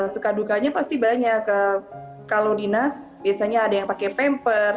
suka dukanya pasti banyak kalau dinas biasanya ada yang pakai pamper